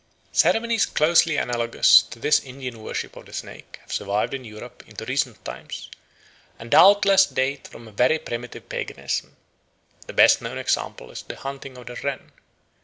Ceremonies closely analogous to this Indian worship of the snake have survived in Europe into recent times, and doubtless date from a very primitive paganism. The best known example is the "hunting of the wren."